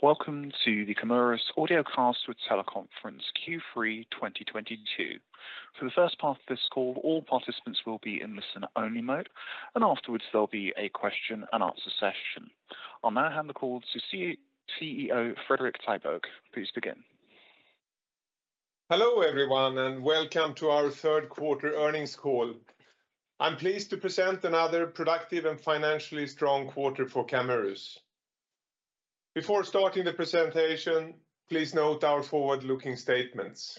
Welcome to the Camurus Audiocast with Teleconference Q3 2022. For the first part of this call, all participants will be in listen-only mode, and afterwards there'll be a Q&A session. I'll now hand the call to CEO Fredrik Tiberg. Please begin. Hello everyone, and welcome to our Q3 earnings call. I'm pleased to present another productive and financially strong quarter for Camurus. Before starting the presentation, please note our forward-looking statements.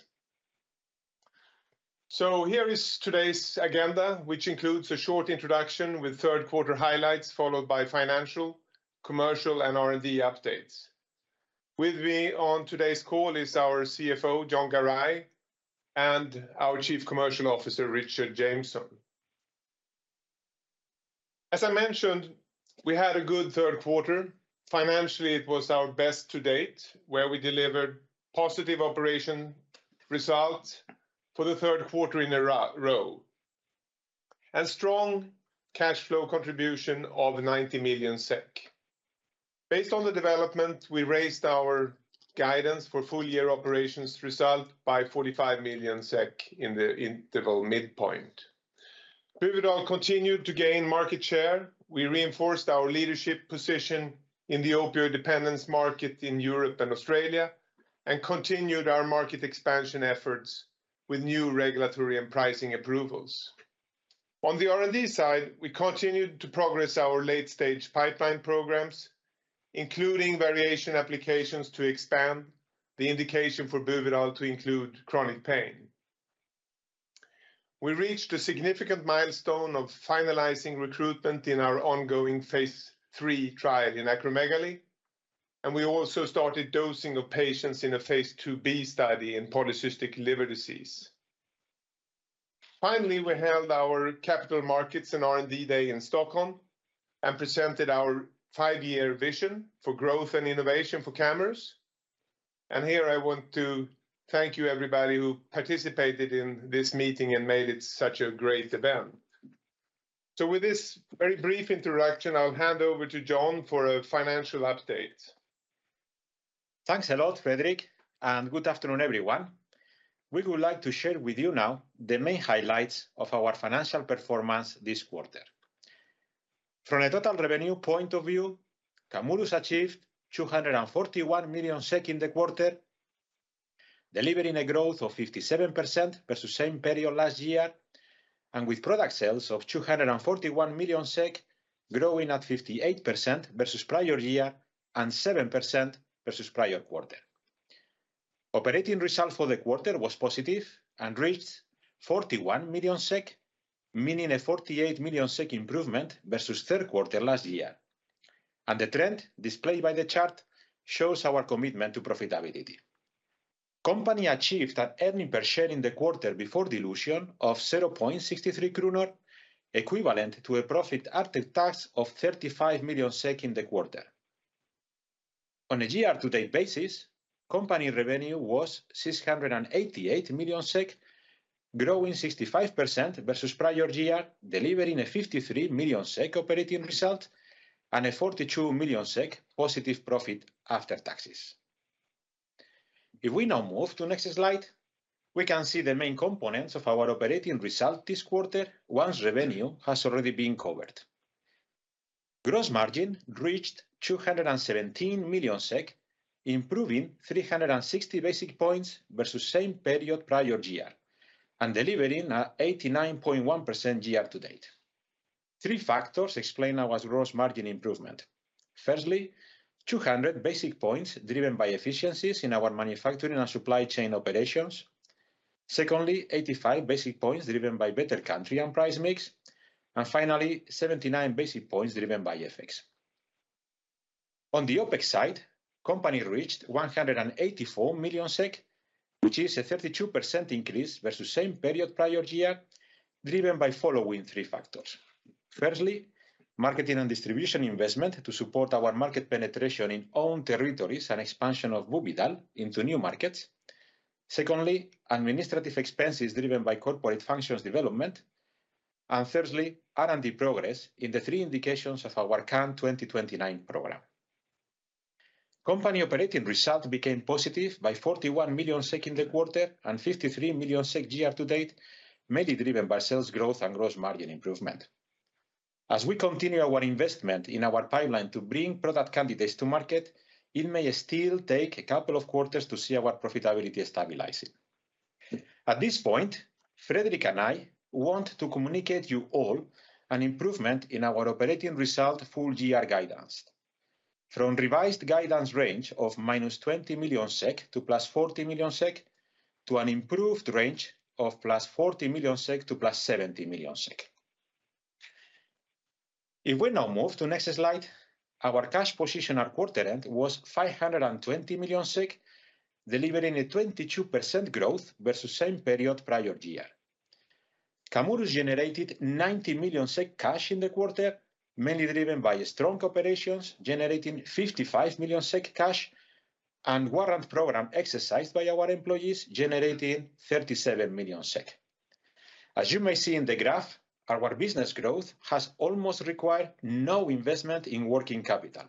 Here is today's agenda, which includes a short introduction with Q3 highlights, followed by financial, commercial and R&D updates. With me on today's call is our CFO, Jon Garay, and our Chief Commercial Officer, Richard Jameson. As I mentioned, we had a good Q3. Financially, it was our best to date, where we delivered positive operational results for the Q3 in a row, and strong cash flow contribution of 90 million SEK. Based on the development, we raised our guidance for full year operational result by 45 million SEK in the interval midpoint. Buvidal continued to gain market share. We reinforced our leadership position in the opioid dependence market in Europe and Australia, and continued our market expansion efforts with new regulatory and pricing approvals. On the R&D side, we continued to progress our late-stage pipeline programs, including variation applications to expand the indication for Buvidal to include chronic pain. We reached a significant milestone of finalizing recruitment in our ongoing phase 3 trial in acromegaly, and we also started dosing of patients in a phase 2B study in polycystic liver disease. Finally, we held our capital markets and R&D day in Stockholm and presented our 5-year vision for growth and innovation for Camurus. Here I want to thank you everybody who participated in this meeting and made it such a great event. With this very brief introduction, I'll hand over to John for a financial update. Thanks a lot, Fredrik, and good afternoon, everyone. We would like to share with you now the main highlights of our financial performance this quarter. From a total revenue point of view, Camurus achieved 241 million SEK in the quarter, delivering a growth of 57% versus same period last year, and with product sales of 241 million SEK growing at 58% versus prior year, and 7% versus prior quarter. Operating result for the quarter was positive and reached 41 million SEK, meaning a 48 million SEK improvement versus Q3 last year. The trend displayed by the chart shows our commitment to profitability. Company achieved an earnings per share in the quarter before dilution of 0.63 krona, equivalent to a profit after tax of 35 million SEK in the quarter. On a year-to-date basis, company revenue was 688 million SEK, growing 65% versus prior year, delivering a 53 million SEK operating result and a 42 million SEK positive profit after taxes. If we now move to next slide, we can see the main components of our operating result this quarter, once revenue has already been covered. Gross margin reached 217 million SEK, improving 360 basis points versus same period prior year and delivering an 89.1% year-to-date. 3 factors explain our gross margin improvement. Firstly, 200 basis points driven by efficiencies in our manufacturing and supply chain operations. Secondly, 85 basis points driven by better country and price mix. Finally, 79 basis points driven by FX. On the OpEx side, the company reached 184 million SEK, which is a 32% increase versus same period prior year, driven by following 3 factors. Firstly, marketing and distribution investment to support our market penetration in own territories and expansion of Buvidal into new markets. Secondly, administrative expenses driven by corporate functions development. Thirdly, R&D progress in the 3 indications of our current 2029 program. Company operating results became positive by 41 million SEK in the quarter and 53 million SEK year-to-date, mainly driven by sales growth and gross margin improvement. As we continue our investment in our pipeline to bring product candidates to market, it may still take a couple of quarters to see our profitability stabilizing. At this point, Fredrik and I want to communicate you all an improvement in our operating result full year guidance from revised guidance range of -20 million SEK to 40 million SEK to an improved range of 40 million SEK to 70 million SEK. If we now move to next slide, our cash position at quarter end was 520 million SEK, delivering a 22% growth versus same period prior year. Camurus generated 90 million SEK cash in the quarter, mainly driven by strong operations, generating 55 million SEK cash and warrant program exercised by our employees, generating 37 million SEK. As you may see in the graph, our business growth has almost required no investment in working capital.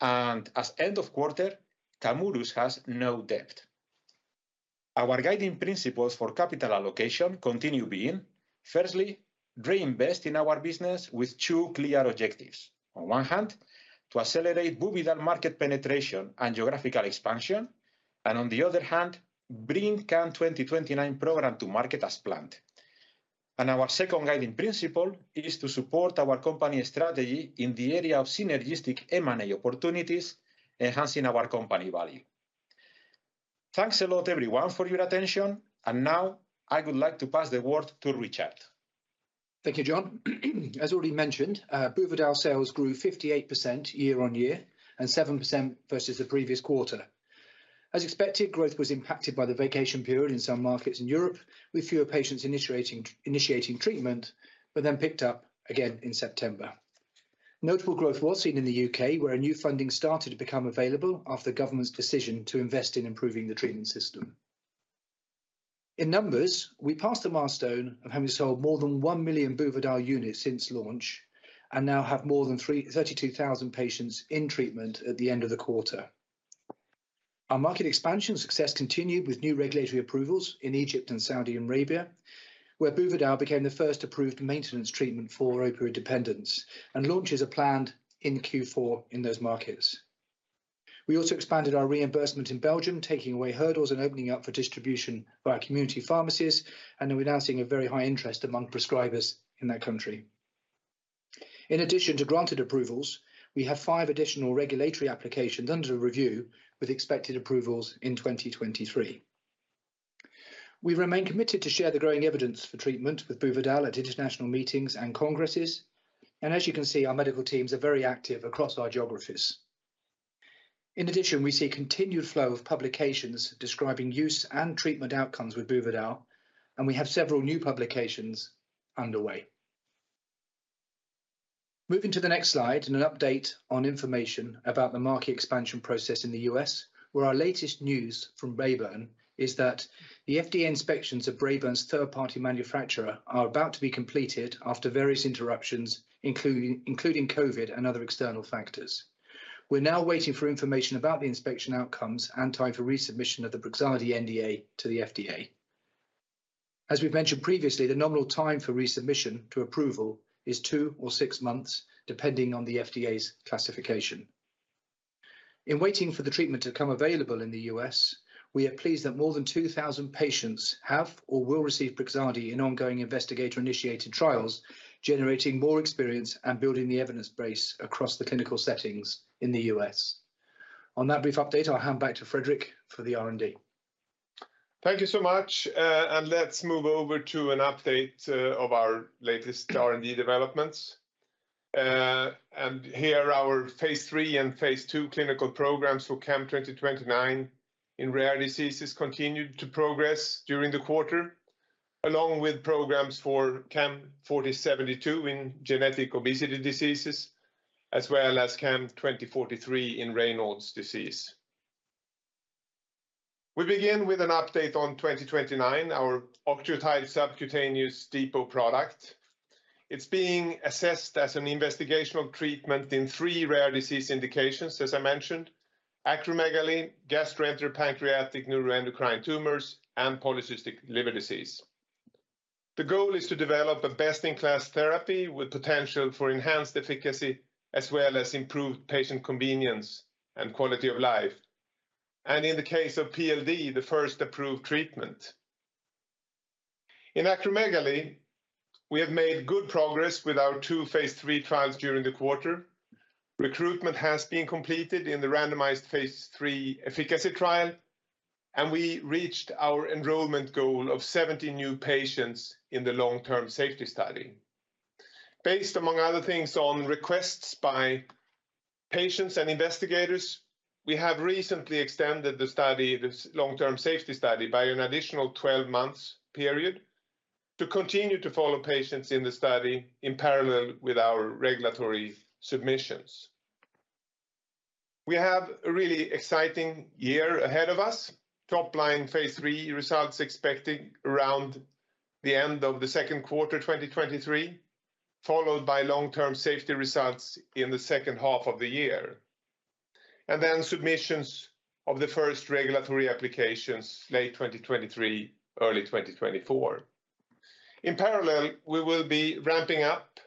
As end of quarter, Camurus has no debt. Our guiding principles for capital allocation continue being firstly, reinvest in our business with 2 clear objectives. On one hand, to accelerate Buvidal market penetration and geographical expansion, and on the other hand, bring CAM2029 program to market as planned. Our second guiding principle is to support our company strategy in the area of synergistic M&A opportunities, enhancing our company value. Thanks a lot everyone for your attention, and now I would like to pass the word to Richard. Thank you, John. As already mentioned, Buvidal sales grew 58% year-on-year and 7% versus the previous quarter. As expected, growth was impacted by the vacation period in some markets in Europe, with fewer patients initiating treatment but then picked up again in September. Notable growth was seen in the U.K. where a new funding started to become available after the government's decision to invest in improving the treatment system. In numbers, we passed the milestone of having sold more than 1 million Buvidal units since launch and now have more than 32,000 patients in treatment at the end of the quarter. Our market expansion success continued with new regulatory approvals in Egypt and Saudi Arabia, where Buvidal became the first approved maintenance treatment for opioid dependence, and launches are planned in Q4 in those markets. We also expanded our reimbursement in Belgium, taking away hurdles and opening up for distribution via community pharmacies and are announcing a very high interest among prescribers in that country. In addition to granted approvals, we have 5 additional regulatory applications under review with expected approvals in 2023. We remain committed to share the growing evidence for treatment with Buvidal at international meetings and congresses, and as you can see, our medical teams are very active across our geographies. In addition, we see a continued flow of publications describing use and treatment outcomes with Buvidal, and we have several new publications underway. Moving to the next slide and an update on information about the market expansion process in the U.S., where our latest news from Braeburn is that the FDA inspections of Braeburn's third-party manufacturer are about to be completed after various interruptions, including COVID and other external factors. We're now waiting for information about the inspection outcomes and time for resubmission of the Brixadi NDA to the FDA. As we've mentioned previously, the nominal time for resubmission to approval is 2 or 6 months, depending on the FDA's classification. In waiting for the treatment to become available in the U.S., we are pleased that more than 2,000 patients have or will receive Brixadi in ongoing investigator-initiated trials, generating more experience and building the evidence base across the clinical settings in the U.S. On that brief update, I'll hand back to Fredrik for the R&D. Thank you so much, and let's move over to an update of our latest R&D developments. Here our phase 3 and phase 2 clinical programs for CAM2029 in rare diseases continued to progress during the quarter, along with programs for CAM4072 in genetic obesity diseases, as well as CAM2043 in Raynaud's disease. We begin with an update on 2029, our octreotide subcutaneous depot product. It's being assessed as an investigational treatment in 3 rare disease indications, as I mentioned, acromegaly, gastroenteropancreatic neuroendocrine tumors, and polycystic liver disease. The goal is to develop a best-in-class therapy with potential for enhanced efficacy as well as improved patient convenience and quality of life, and in the case of PLD, the first approved treatment. In acromegaly, we have made good progress with our 2 phase 3 trials during the quarter. Recruitment has been completed in the randomized phase 3 efficacy trial, and we reached our enrollment goal of 70 new patients in the long-term safety study. Based, among other things, on requests by patients and investigators, we have recently extended the study, this long-term safety study, by an additional 12 months period to continue to follow patients in the study in parallel with our regulatory submissions. We have a really exciting year ahead of us. Top line phase 3 results expected around the end of the Q2 2023, followed by long-term safety results in the H2 of the year. Submissions of the first regulatory applications late 2023, early 2024. In parallel, we will be ramping up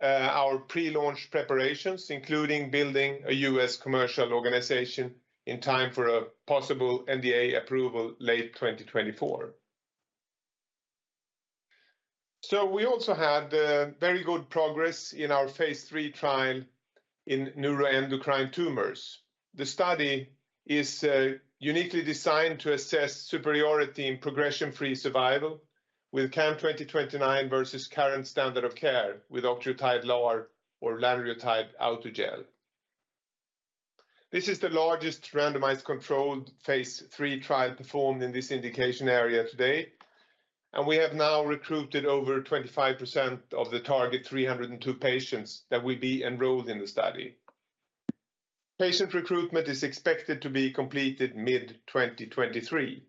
our pre-launch preparations, including building a U.S. commercial organization in time for a possible NDA approval late 2024. We also had very good progress in our phase 3 trial in neuroendocrine tumors. The study is uniquely designed to assess superiority in progression-free survival with CAM2029 versus current standard of care with octreotide LAR or lanreotide Autogel. This is the largest randomized controlled phase 3 trial performed in this indication area to date, and we have now recruited over 25% of the target 302 patients that will be enrolled in the study. Patient recruitment is expected to be completed mid-2023.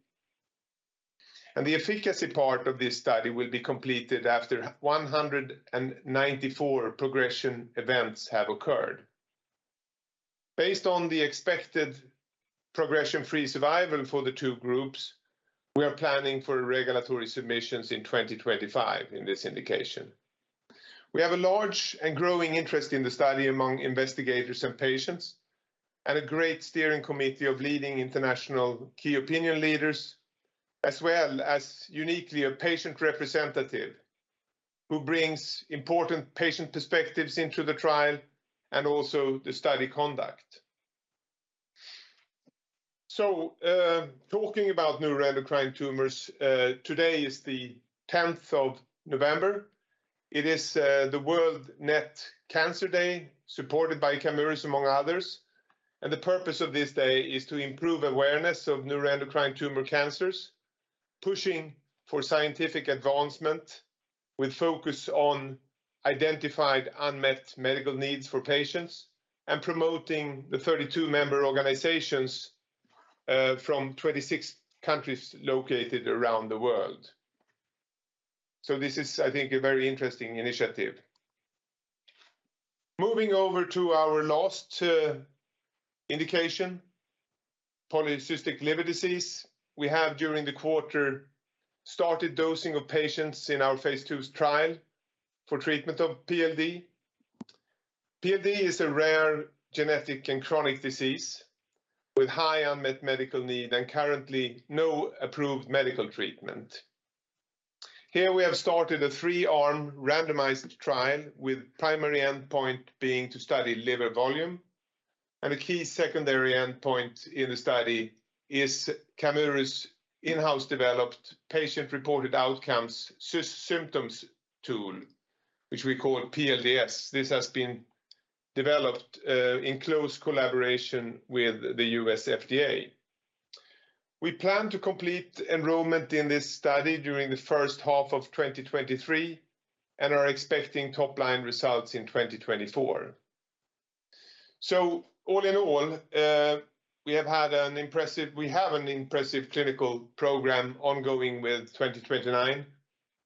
The efficacy part of this study will be completed after 194 progression events have occurred. Based on the expected progression-free survival for the 2 groups, we are planning for regulatory submissions in 2025 in this indication. We have a large and growing interest in the study among investigators and patients, and a great steering committee of leading international key opinion leaders, as well as uniquely a patient representative who brings important patient perspectives into the trial and also the study conduct. Talking about neuroendocrine tumors, today is the 10th of November. It is the World NET Cancer Day, supported by Camurus among others, and the purpose of this day is to improve awareness of neuroendocrine tumor cancers, pushing for scientific advancement with focus on identified unmet medical needs for patients and promoting the 32 member organizations from 26 countries located around the world. This is, I think, a very interesting initiative. Moving over to our last indication, polycystic liver disease. We have during the quarter started dosing of patients in our phase 2 trial for treatment of PLD. PLD is a rare genetic and chronic disease with high unmet medical need and currently no approved medical treatment. Here we have started a 3-arm randomized trial with primary endpoint being to study liver volume, and a key secondary endpoint in the study is Camurus' in-house developed patient-reported outcomes symptoms tool, which we call PLDS. This has been developed in close collaboration with the U.S. FDA. We plan to complete enrollment in this study during the H1 of 2023 and are expecting top-line results in 2024. All in all, we have an impressive clinical program ongoing with 2029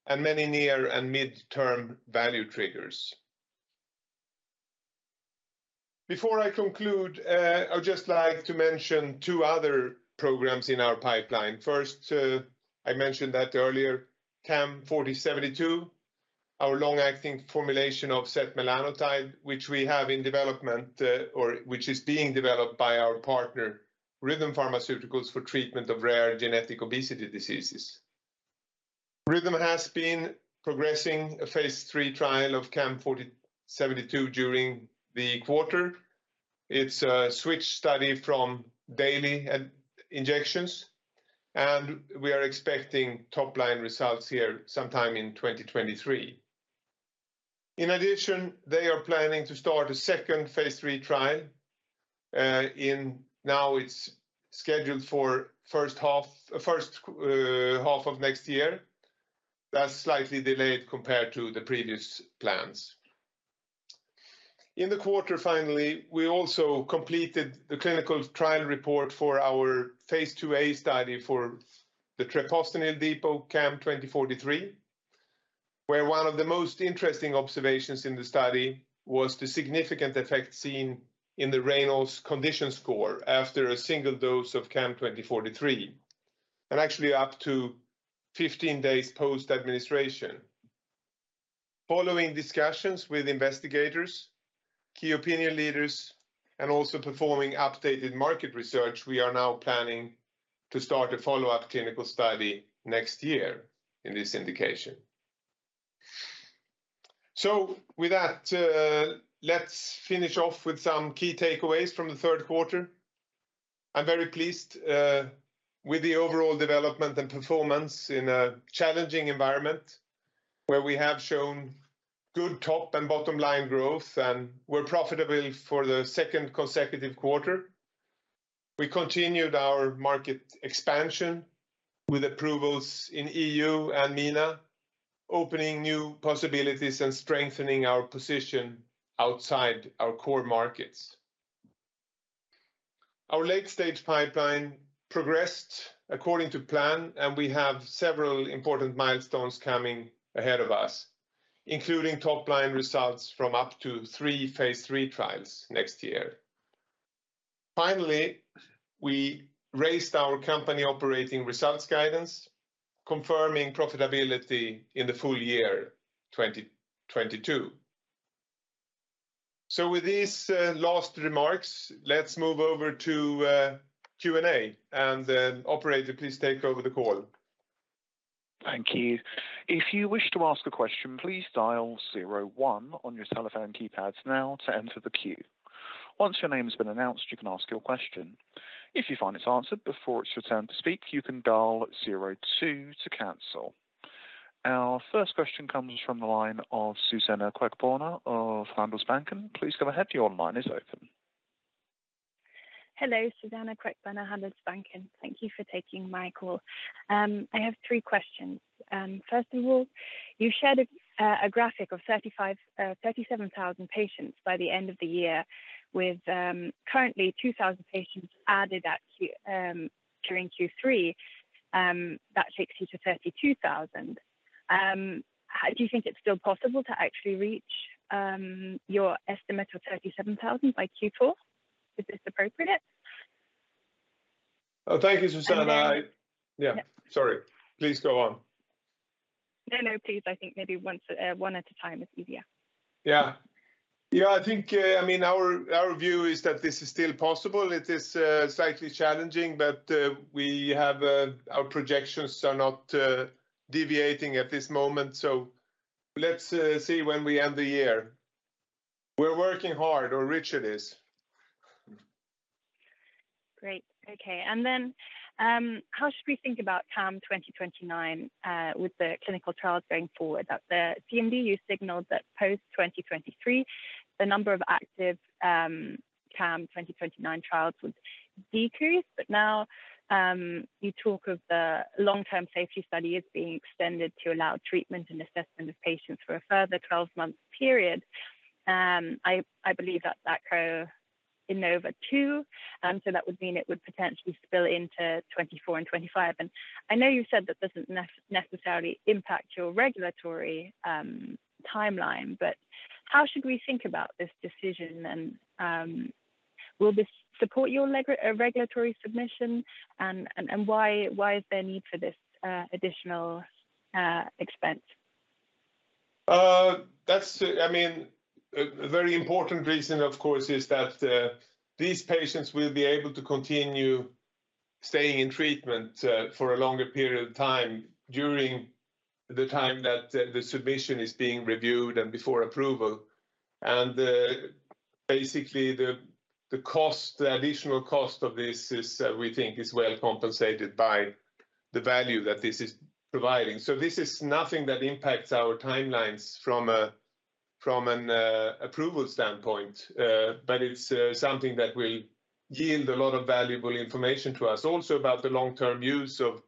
and many near and mid-term value triggers. Before I conclude, I would just like to mention 2 other programs in our pipeline. First, I mentioned that earlier, CAM4072, our long-acting formulation of setmelanotide, which we have in development, or which is being developed by our partner, Rhythm Pharmaceuticals, for treatment of rare genetic obesity diseases. Rhythm has been progressing a phase 3 trial of CAM4072 during the quarter. It's a switch study from daily injections, and we are expecting top-line results here sometime in 2023. In addition, they are planning to start a second phase 3 trial, now it's scheduled for H1 of next year. That's slightly delayed compared to the previous plans. In the quarter, finally, we also completed the clinical trial report for our phase 2a study for the treprostinil depot CAM2043, where one of the most interesting observations in the study was the significant effect seen in the Raynaud's Condition Score after a single dose of CAM2043, and actually up to 15 days post-administration. Following discussions with investigators, key opinion leaders, and also performing updated market research, we are now planning to start a follow-up clinical study next year in this indication. With that, let's finish off with some key takeaways from the Q3. I'm very pleased with the overall development and performance in a challenging environment where we have shown good top and bottom line growth, and we're profitable for the second consecutive quarter. We continued our market expansion with approvals in EU and MENA, opening new possibilities and strengthening our position outside our core markets. Our late-stage pipeline progressed according to plan, and we have several important milestones coming ahead of us, including top-line results from up to 3 phase 3 trials next year. Finally, we raised our company operating results guidance, confirming profitability in the full year 2022. With these last remarks, let's move over to Q&A. Operator, please take over the call. Thank you. If you wish to ask a question, please dial zero one on your telephone keypads now to enter the queue. Once your name has been announced, you can ask your question. If you find it's answered before it's your turn to speak, you can dial zero 2 to cancel. Our first question comes from the line of Suzanna Queckbörner of Handelsbanken. Please go ahead. Your line is open. Hello, Suzanna Queckbörner, Handelsbanken. Thank you for taking my call. I have 3 questions. First of all, you shared a graphic of 37,000 patients by the end of the year with currently 2,000 patients added during Q3. That takes you to 32,000. How do you think it's still possible to actually reach your estimate of 37,000 by Q4? Is this appropriate? Oh, thank you, Suzanna. And then- Yeah. Yeah. Sorry. Please go on. No, no. Please, I think maybe once, one at a time is easier. Yeah. Yeah, I think, I mean, our view is that this is still possible. It is slightly challenging, but we have our projections are not deviating at this moment, so let's see when we end the year. We're working hard, or Richard is. Great. Okay. How should we think about CAM2029 with the clinical trials going forward? At the CMD, you signaled that post 2023, the number of active CAM2029 trials would decrease. Now, you talk of the long-term safety study as being extended to allow treatment and assessment of patients for a further 12-month period. I believe that in NOVA 2. That would mean it would potentially spill into 2024 and 2025. I know you've said that this doesn't necessarily impact your regulatory timeline, but how should we think about this decision? Will this support your regulatory submission? Why is there need for this additional expense? That's, I mean, a very important reason, of course, is that these patients will be able to continue staying in treatment for a longer period of time during the time that the submission is being reviewed and before approval. Basically, the additional cost of this, we think, is well compensated by the value that this is providing. This is nothing that impacts our timelines from an approval standpoint. It's something that will yield a lot of valuable information to us also about the long-term use of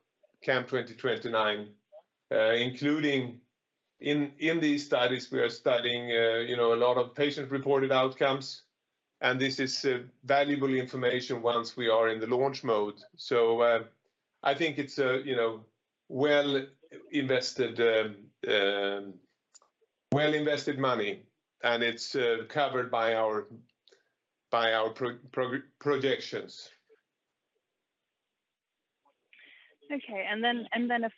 CAM2029, including in these studies, we are studying you know a lot of patient-reported outcomes, and this is valuable information once we are in the launch mode. I think it's, you know, well invested money, and it's covered by our projections. A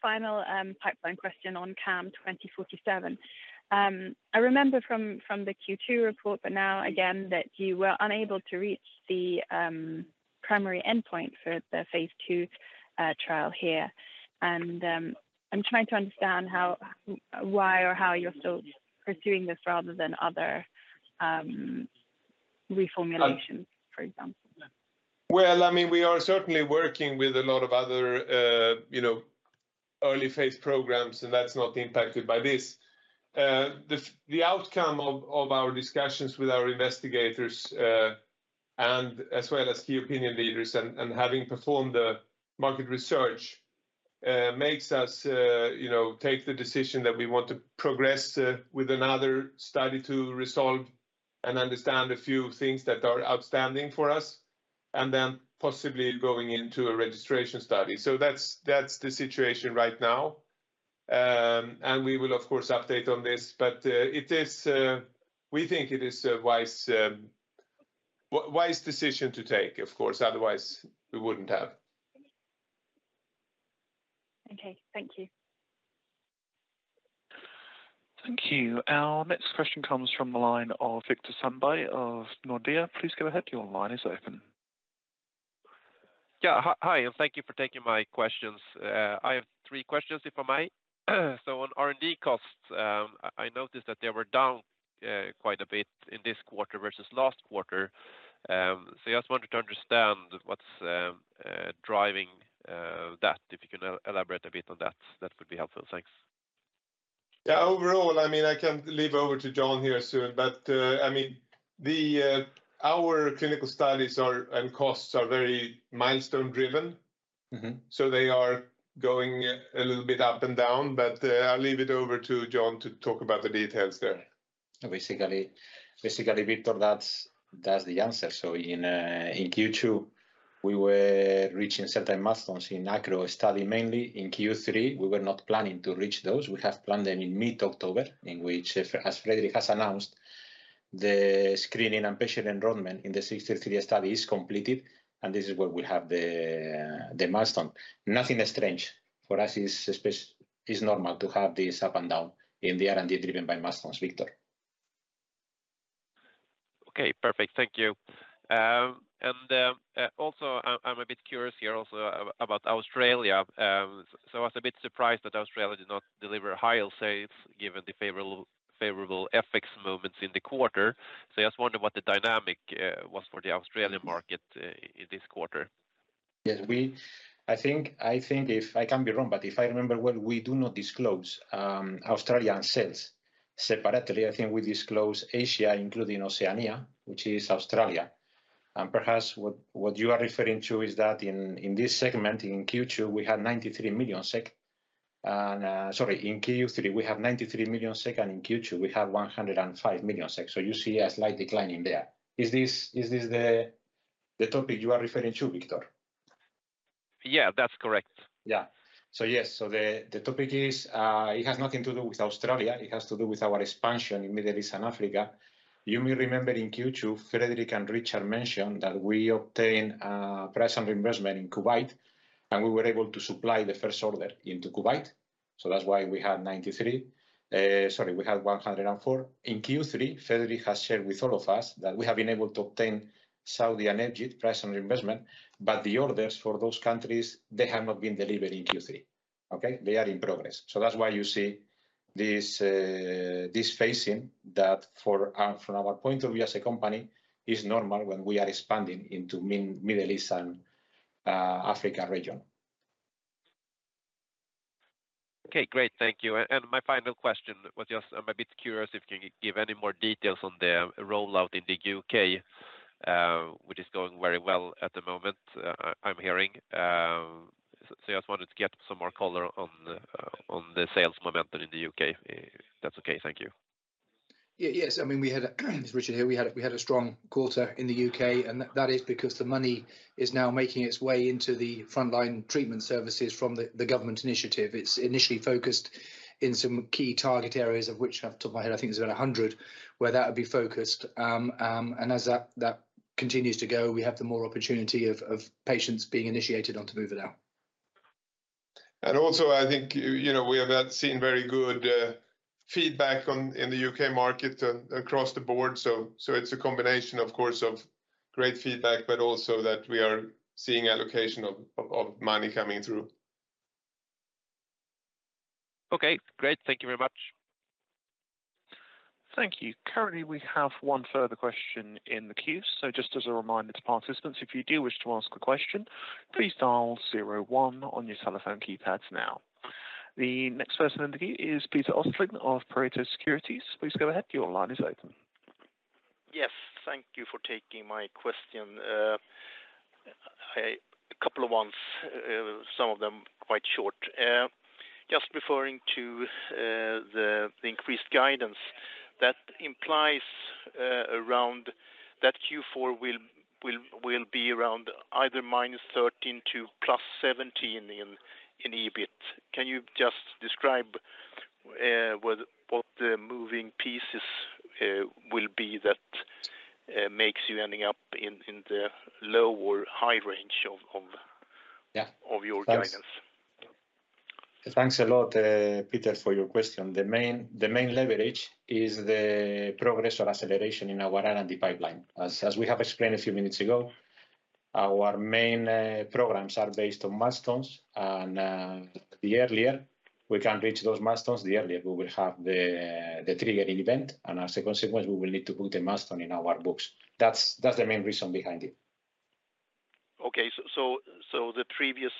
final pipeline question on CAM2047. I remember from the Q2 report, but now again that you were unable to reach the primary endpoint for the phase 2 trial here. I'm trying to understand how why or how you're still pursuing this rather than other reformulations. Um- For example. Well, I mean, we are certainly working with a lot of other, you know, early-phase programs, and that's not impacted by this. The outcome of our discussions with our investigators, and as well as key opinion leaders and having performed the market research, makes us, you know, take the decision that we want to progress with another study to resolve and understand a few things that are outstanding for us, and then possibly going into a registration study. That's the situation right now. We will of course update on this. It is a wise decision to take, of course. Otherwise, we wouldn't have. Okay. Thank you. Thank you. Our next question comes from the line of Viktor Sundberg of Nordea. Please go ahead. Your line is open. Yeah. Hi, and thank you for taking my questions. I have 3 questions, if I may. On R&D costs, I noticed that they were down quite a bit in this quarter versus last quarter. I just wanted to understand what's driving that. If you can elaborate a bit on that would be helpful. Thanks. Overall, I mean, I can hand over to John Garay here soon, but, I mean, our clinical studies and costs are very milestone-driven. Mm-hmm. They are going a little bit up and down, but I'll leave it over to Jon to talk about the details there. Basically, Viktor, that's the answer. In Q2, we were reaching certain milestones in Acro study, mainly. In Q3, we were not planning to reach those. We have planned them in mid-October, in which, as Fredrik has announced, the screening and patient enrollment in the SORENTO study is completed, and this is where we have the milestone. Nothing strange. For us, it's normal to have this up and down in the R&D driven by milestones, Viktor. Okay. Perfect. Thank you. I'm a bit curious here also about Australia. I was a bit surprised that Australia did not deliver higher sales given the favorable FX movements in the quarter. I just wonder what the dynamic was for the Australian market in this quarter. Yes, I think if I can be wrong, but if I remember well, we do not disclose Australian sales separately. I think we disclose Asia, including Oceania, which is Australia. Perhaps what you are referring to is that in this segment, in Q2, we had 93 million SEK. Sorry, in Q3 we have 93 million SEK, and in Q2 we have 105 million SEK. You see a slight decline in there. Is this the topic you are referring to, Viktor? Yeah, that's correct. Yes, the topic is, it has nothing to do with Australia. It has to do with our expansion in Middle East and Africa. You may remember in Q2, Fredrik and Richard mentioned that we obtained a presence in Kuwait, and we were able to supply the first order into Kuwait. That's why we had 93, sorry, we had 104. In Q3, Fredrik has shared with all of us that we have been able to obtain presence in Saudi and Egypt, but the orders for those countries, they have not been delivered in Q3. Okay. They are in progress. That's why you see this phasing that for, from our point of view as a company is normal when we are expanding into Middle East and Africa region. Okay, great. Thank you. My final question was just I'm a bit curious if you can give any more details on the rollout in the U.K., which is going very well at the moment, I'm hearing. Just wanted to get some more color on the sales momentum in the U.K., if that's okay. Thank you. I mean, it's Richard here. We had a strong quarter in the U.K., and that is because the money is now making its way into the frontline treatment services from the government initiative. It's initially focused in some key target areas, of which off the top of my head, I think there's about 100 where that would be focused. And as that continues to go, we have the more opportunity of patients being initiated onto Buvidal. I think you know we have seen very good feedback in the U.K. market across the board. It's a combination, of course, of great feedback, but also that we are seeing allocation of money coming through. Okay, great. Thank you very much. Thank you. Currently, we have one further question in the queue. Just as a reminder to participants, if you do wish to ask a question, please dial zero one on your telephone keypads now. The next person in the queue is Peter Östling of Pareto Securities. Please go ahead. Your line is open. Yes, thank you for taking my question. A couple of ones, some of them quite short. Just referring to the increased guidance that implies around that Q4 will be around either -13 to +17 in EBIT. Can you just describe what the moving pieces will be that makes you ending up in the low or high range of Yeah Of your guidance? Thanks a lot, Peter, for your question. The main leverage is the progress or acceleration in our R&D pipeline. As we have explained a few minutes ago, our main programs are based on milestones and the earlier we can reach those milestones, the earlier we will have the triggering event. As a consequence, we will need to put a milestone in our books. That's the main reason behind it. The previous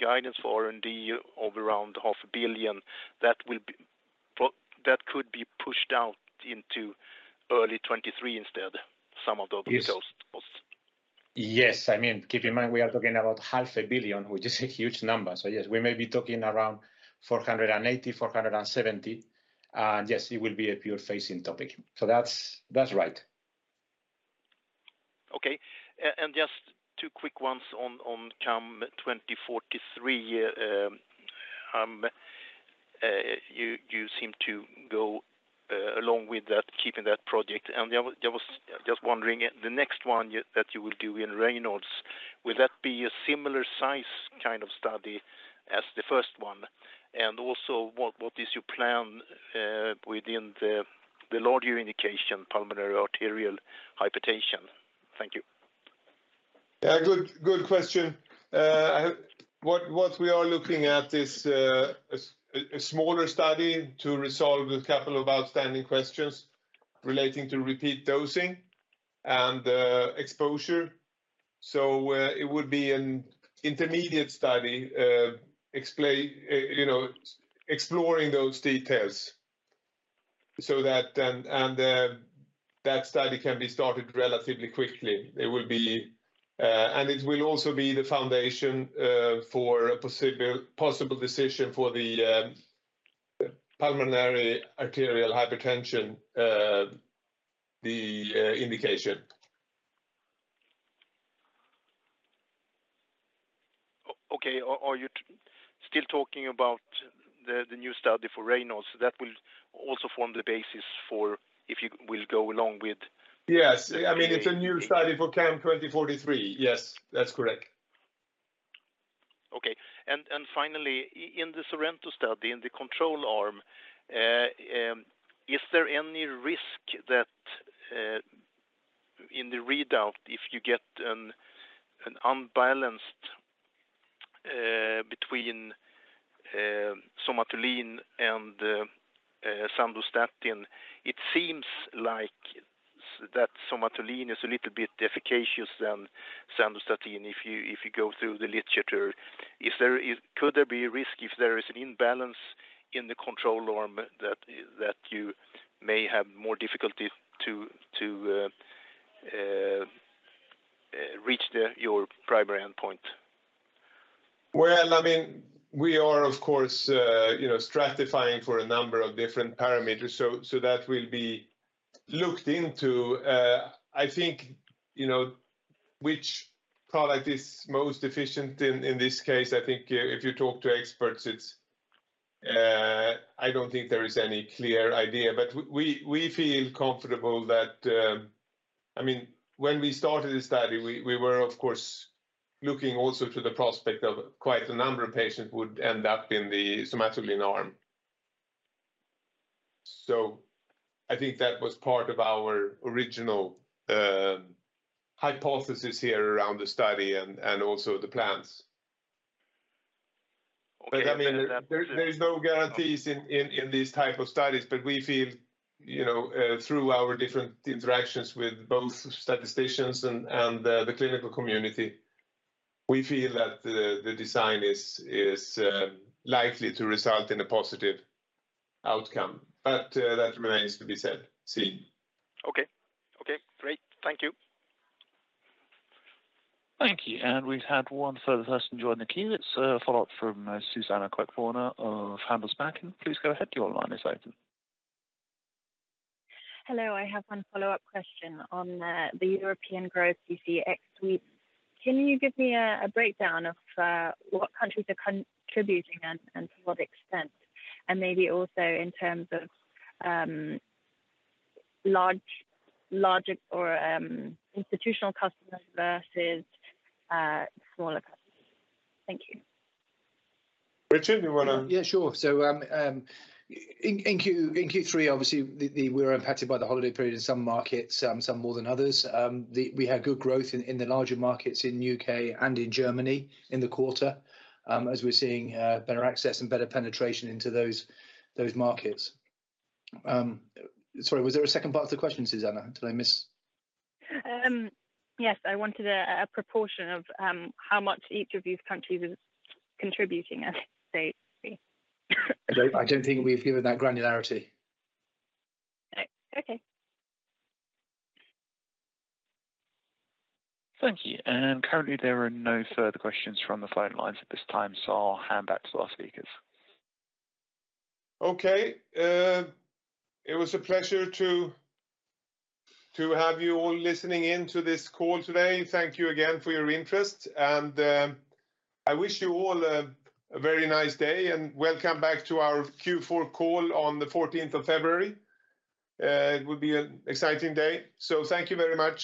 guidance for R&D of around SEK half a billion, but that could be pushed out into early 2023 instead, some of those. Yes Costs. Yes. I mean, keep in mind we are talking about SEK half a billion, which is a huge number. Yes, we may be talking around 480, 470. Yes, it will be a pricing topic. That's right. Okay. Just 2 quick ones on CAM2043. You seem to go along with that, keeping that project. I was just wondering, the next one that you will do in Raynaud's, will that be a similar size kind of study as the first one? Also what is your plan within the larger indication, pulmonary arterial hypertension? Thank you. Yeah, good question. What we are looking at is a smaller study to resolve a couple of outstanding questions relating to repeat dosing and exposure. It would be an intermediate study, you know, exploring those details so that that study can be started relatively quickly. It will be, and it will also be the foundation for a possible decision for the pulmonary arterial hypertension indication. Okay. Are you still talking about the new study for Raynaud's that will also form the basis for if you will go along with? Yes. I mean, it's a new study for CAM2043. Yes, that's correct. Finally, in the SORENTO study, in the control arm, is there any risk that, in the readout, if you get an imbalance between Somatuline and Sandostatin, it seems like that Somatuline is a little bit more efficacious than Sandostatin if you go through the literature. Could there be a risk if there is an imbalance in the control arm that you may have more difficulty to reach your primary endpoint? Well, I mean, we are of course, you know, stratifying for a number of different parameters so that will be looked into. I think, you know, which product is most efficient in this case, I think if you talk to experts it's. I don't think there is any clear idea. We feel comfortable that. I mean, when we started this study, we were of course looking also to the prospect of quite a number of patients would end up in the Somatuline arm. I think that was part of our original hypothesis here around the study and also the plans. Okay. I mean, there is no guarantees in these type of studies. We feel, you know, through our different interactions with both statisticians and the clinical community, we feel that the design is likely to result in a positive outcome. That remains to be seen. Okay. Okay, great. Thank you. Thank you. We've had one further person join the queue. It's a follow-up from Suzanna Queckbörner of Handelsbanken. Please go ahead, your line is open. Hello. I have one follow-up question on the European growth you see ex-Sweden. Can you give me a breakdown of what countries are contributing and to what extent? Maybe also in terms of larger or institutional customers versus smaller customers. Thank you. Richard, you wanna- Yeah, sure. In Q3 obviously we were impacted by the holiday period in some markets, some more than others. We had good growth in the larger markets in U.K. and in Germany in the quarter, as we're seeing better access and better penetration into those markets. Sorry, was there a second part to the question, Suzanna? Did I miss? Yes. I wanted a proportion of how much each of these countries is contributing as a state fee. I don't think we've given that granularity. Okay. Thank you. Currently there are no further questions from the phone lines at this time, so I'll hand back to our speakers. Okay. It was a pleasure to have you all listening in to this call today. Thank you again for your interest and I wish you all a very nice day and welcome back to our Q4 call on the 14th of February. It will be an exciting day. Thank you very much.